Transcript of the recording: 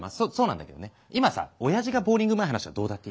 今さおやじがボウリングうまい話はどうだっていい。